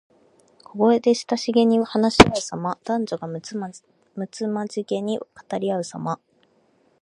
小声で親しげに話しあうさま。男女がむつまじげに語りあうさま。